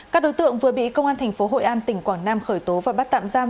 các đối tượng vừa bị công an tp hội an tỉnh quảng nam khởi tố và bắt tạm giam